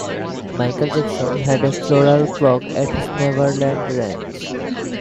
Michael Jackson had a floral clock at his Neverland Ranch.